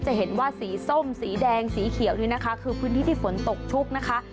จะเห็นว่าสีส้มสีแดงสีเขียววิทยาเตอร์พื้นที่ฝนตกทุกค์นะคะ